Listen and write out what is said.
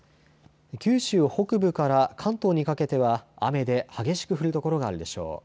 九州北部から関東にかけては雨で激しく降る所があるでしょう。